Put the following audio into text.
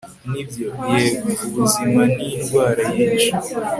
nibyo, yego. ubuzima ni indwara yica